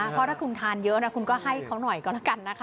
เพราะถ้าคุณทานเยอะนะคุณก็ให้เขาหน่อยก็แล้วกันนะคะ